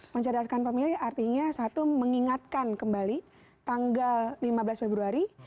mencerdaskan pemilih artinya satu mengingatkan kembali tanggal lima belas februari